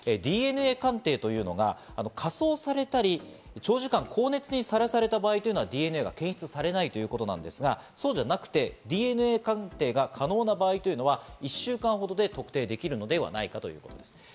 ＤＮＡ鑑定というのが火葬されたり、長時間高熱にさらされた場合、ＤＮＡが検出されないということなんですが、そうじゃなくてＤＮＡ鑑定が可能な場合というのは１週間ほどで特定できるのではないかということです。